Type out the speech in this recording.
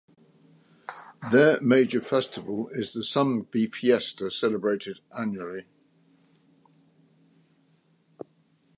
Their major Festival is the Sumgbee Fiesta celebrated annually.